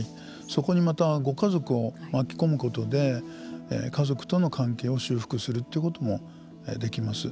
そこにまたご家族を巻き込むことで家族との関係を修復するということもできます。